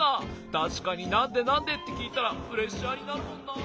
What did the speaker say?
たしかに「なんで？なんで？」ってきいたらプレッシャーになるもんなあ。